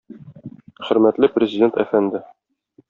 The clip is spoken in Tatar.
Хөрмәтле Президент әфәнде!